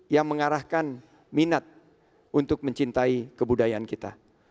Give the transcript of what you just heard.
yang mengarahkan minat untuk mencintai kebudayaan kita